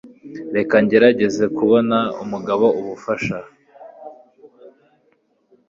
Reka ngerageze kubona mugabo ubufasha